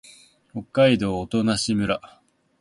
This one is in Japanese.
北海道音更町